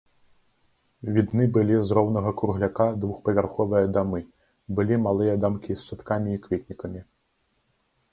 Відны былі з роўнага кругляка двухпавярховыя дамы, былі малыя дамкі з садкамі і кветнікамі.